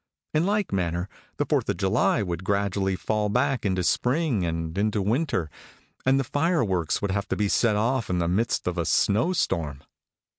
In like manner the Fourth of July would gradually fall back into spring, then into winter; and the fire works would have to be set off in the midst of a snow storm.